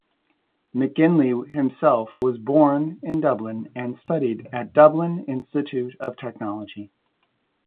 McGinley himself was born in Dublin and studied at Dublin Institute of Technology.